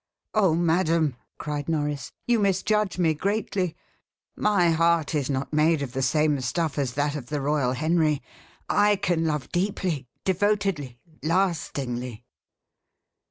"Oh, madam!" cried Norris, "you misjudge me greatly. My heart is not made of the same stuff as that of the royal Henry. I can love deeply devotedly lastingly."